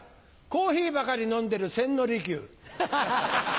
コーヒーばかり飲んでる千利休。